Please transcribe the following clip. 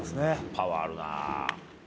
パワーあるな。